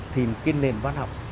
thì cái nền văn học